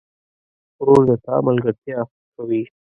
ورور د تا ملګرتیا خوښوي.